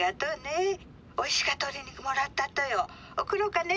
おいしか鶏肉もらったとよ。